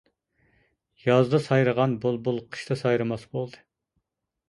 يازدا سايرىغان بۇلبۇل، قىشتا سايرىماس بولدى.